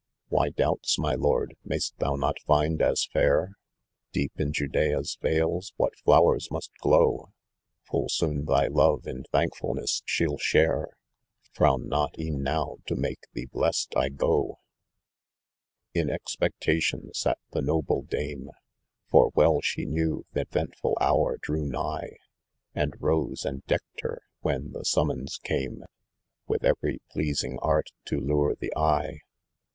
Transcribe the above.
* Why doubts my lord ? Mayst thou not find as fair ? Deep in Judea's vales what flowers must glow ! Full soon thy lore in thankfulness she'll share,â€" Frown not, e'en now, to make thee blest, I go,' In expectation sat the noble dame, For well she knew th' eventful hour drew nigh ; And rose and deckt her, when the summons came, With every pleading art to lure the eye.